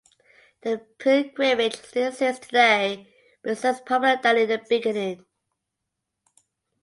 The pilgrimage still exists today but is less popular than in the beginning.